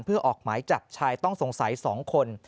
เพื่อออกหมายจับชายต้องสงสัย๒คน